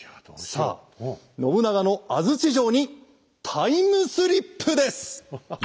さあ信長の安土城にタイムスリップです！